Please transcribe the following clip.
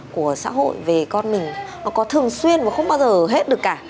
của xã hội về con mình nó có thường xuyên và không bao giờ hết được cả